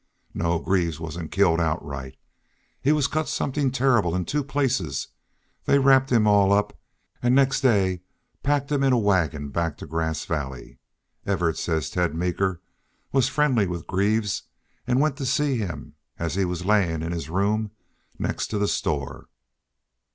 No, Greaves wasn't killed outright. He was cut somethin' turrible in two places. They wrapped him all up an' next day packed him in a wagon back to Grass Valley. Evarts says Ted Meeker was friendly with Greaves an' went to see him as he was layin' in his room next to the store.